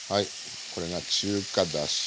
これが中華だし。